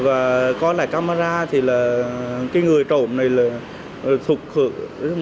và coi lại camera thì là cái người trộm này là thuộc